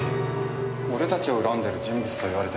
俺たちを恨んでる人物と言われても。